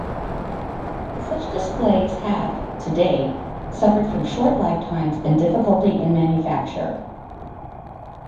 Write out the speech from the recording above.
But such displays have to date suffered from short lifetimes and difficulty in manufacture.